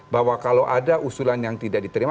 bahwa kalau ada usulan yang tidak diterima